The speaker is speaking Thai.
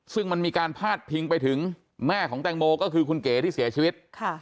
ซึ่งมันมีการพาดพิงไปถึงแม่ของแตงโมก็คือคุณเก๋ที่เสียชีวิต